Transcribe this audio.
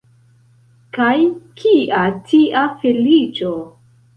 Kaj kia tia feliĉo?